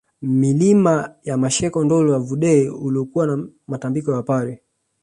Mlima wa Masheko Ndolwa Vudee uliokuwa na Matambiko ya Wapare